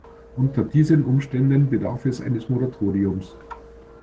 Unter diesen Umständen bedarf es eines Moratoriums.